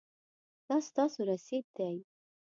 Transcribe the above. دا ستاسو رسید دی